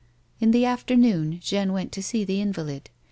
" In the afternoon Jeanne went up to see the invalid.